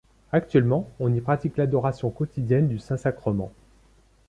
Actuellement on y pratique l'adoration quotidienne du Saint-Sacrement.